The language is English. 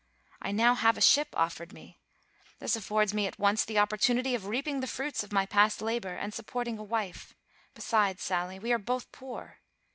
I now have a ship offered me: this affords me at once the opportunity of reaping the fruits of my past labor, and supporting a wife; besides, Sally, we are both poor.